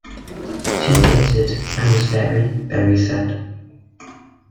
She stated, I was very, very sad.